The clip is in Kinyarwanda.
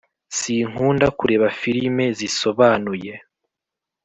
Sinkunda kureba filime zisobanuye